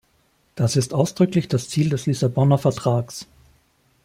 Das ist ausdrücklich das Ziel des Lissabonner Vertrags!